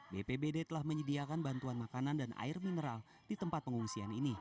bpbd telah menyediakan bantuan makanan dan air mineral di tempat pengungsian ini